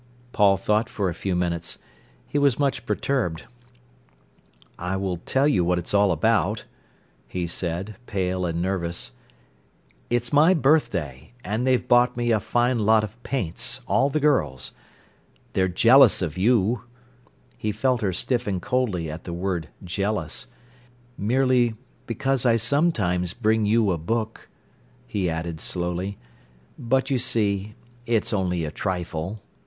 Paul thought for a few minutes. He was much perturbed. "I will tell you what it's all about," he said, pale and nervous. "It's my birthday, and they've bought me a fine lot of paints, all the girls. They're jealous of you"—he felt her stiffen coldly at the word 'jealous'—"merely because I sometimes bring you a book," he added slowly. "But, you see, it's only a trifle.